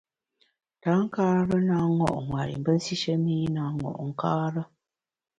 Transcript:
Tankare na ṅo’ nwer i mbe nsishe mi i na ṅo’ nkare.